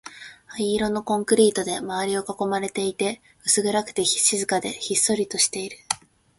灰色のコンクリートで周りを囲まれていて、薄暗くて、静かで、ひっそりとしている